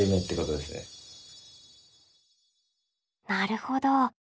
なるほど。